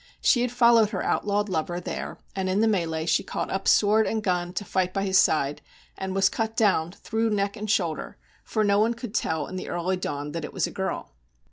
She had followed her outlawed lover there, and in the mêlée she caught up sword and gun to fight by his side, and was cut down through neck and shoulder; for no one could tell in the early dawn that it was a girl.